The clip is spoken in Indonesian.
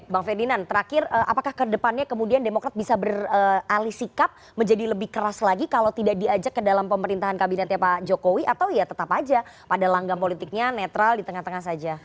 bang ferdinand terakhir apakah kedepannya kemudian demokrat bisa beralih sikap menjadi lebih keras lagi kalau tidak diajak ke dalam pemerintahan kabinetnya pak jokowi atau ya tetap aja pada langgam politiknya netral di tengah tengah saja